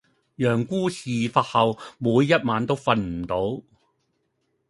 羊牯事發後「每一晚都瞓唔到」。